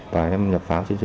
và em nhập pháo trên mạng về